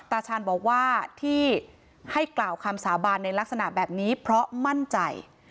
ตาชาญบอกว่าที่ให้กล่าวคำสาบานในลักษณะแบบนี้เพราะมั่นใจ